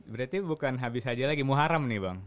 berarti bukan habis saja lagi muharam nih bang